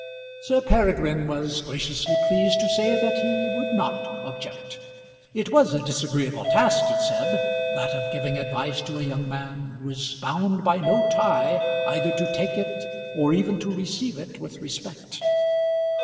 Sir Peregrine was graciously pleased to say that he would not object. It was a disagreeable task, he said, that of giving advice to a young man who was bound by no tie either to take it or even to receive it with respect.